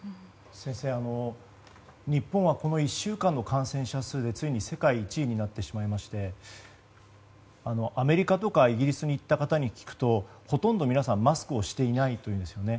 先生日本はこの１週間の感染者数がついに世界１位になってしまいましてアメリカとかイギリスに行った方に聞くとほとんど皆さんマスクをしていないそうなんですね。